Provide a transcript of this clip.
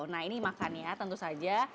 nah ini makannya tentu saja